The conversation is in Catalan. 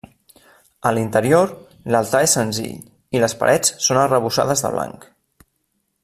A l'interior, l'altar és senzill i les parets són arrebossades de blanc.